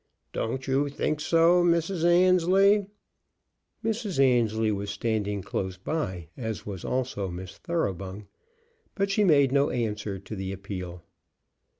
"Don't you think so, Mrs. Annesley?" Mrs. Annesley was standing close by, as was also Miss Thoroughbung, but she made no answer to the appeal.